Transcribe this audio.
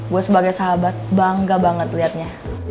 gue sebagai sahabat bangga banget lihatnya